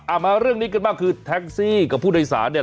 มาเรื่องนี้กันบ้างคือแท็กซี่กับผู้โดยสารเนี่ย